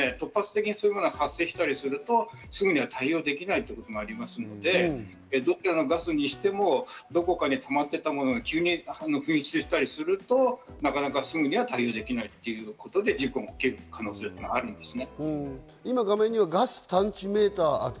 場合によっては突発的にそういうのが発生すると、すぐに対応できないということになりますので、どちらのガスにしても、どこかでたまっていたものが急に噴出したりすると、なかなかすぐには対応できないということで事故が起きる可能性もあるんですね。